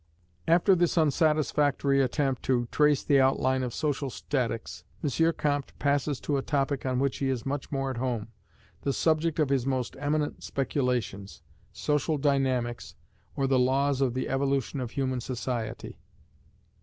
After this unsatisfactory attempt to trace the outline of Social Statics, M. Comte passes to a topic on which he is much more at home the subject of his most eminent speculations; Social Dynamics, or the laws of the evolution of human society.